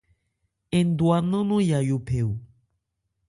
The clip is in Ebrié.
Ndwa nnán nɔn Yayó phɛ o.